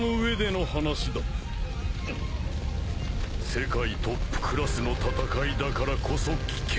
世界トップクラスの戦いだからこそ危険。